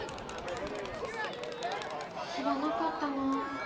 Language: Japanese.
しらなかったな。